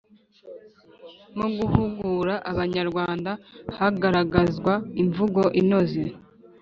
Mu guhugura Abanyarwanda, hagaragazwa imvugo inoze